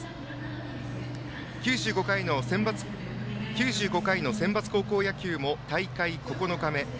９５回のセンバツ高校野球も大会９日目。